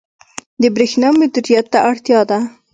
• د برېښنا مدیریت ته اړتیا ده.